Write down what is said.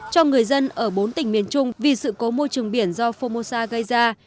cho người dân ở bốn tỉnh miền trung vì sự cố môi trường biển do phongmosa gây ra